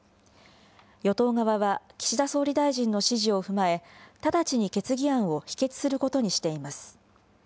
与党側は岸田総理大臣の指示を踏まえ、直ちに決議案を否決することにしています。